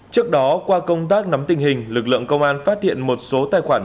trước đó qua công tác nắm tình hình lực lượng công an phát hiện một số tài khoản